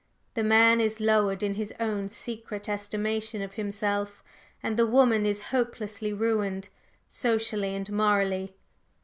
The man is lowered in his own secret estimation of himself, and the woman is hopelessly ruined, socially and morally.